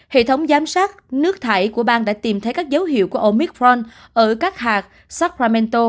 hệ thống giám sát nước thải của bang đã tìm thấy các dấu hiệu của omicron ở các hạt sukramento